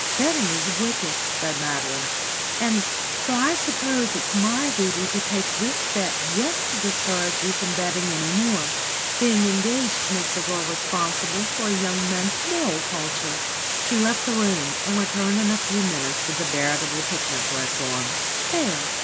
"Betting is wicked," said Madeline, "and so I suppose it's my duty to take this bet just to discourage you from betting any more. Being engaged makes a girl responsible for a young man's moral culture." She left the room, and returned in a few moments with the veritable picnic dress on. "There!"